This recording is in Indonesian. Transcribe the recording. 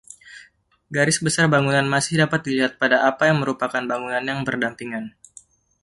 Garis besar bangunan masih dapat dilihat pada apa yang merupakan bangunan yang berdampingan.